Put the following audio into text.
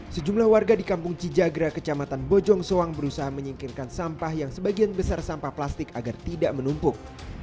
sejumlah warga di kampung cijagra kecamatan bojong soang berusaha menyingkirkan sampah yang sebagian besar sampah plastik agar tidak menumpuk